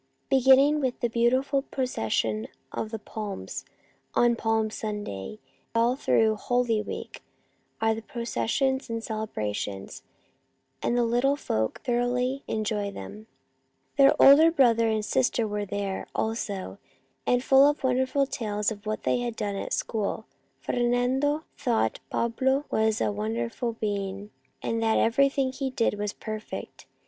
Beginning with the beautiful Procession of the Palms, on Palm Sunday, all through Holy Week are processions and celebrations, and the little folk thoroughly enjoy them. 65 66 Our Little Spanish Cousin Their older brother and sister were there, also, and full of wonderful tales of what they had done at school. Fernando thought Pablo was a wonderful being, and that everything he did was perfect.